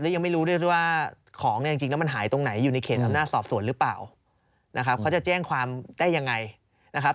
ยังไม่รู้ด้วยว่าของเนี่ยจริงแล้วมันหายตรงไหนอยู่ในเขตอำนาจสอบสวนหรือเปล่านะครับเขาจะแจ้งความได้ยังไงนะครับ